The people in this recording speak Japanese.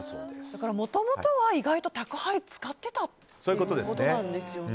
だからもともとは意外と、宅配を使っていたということなんですよね。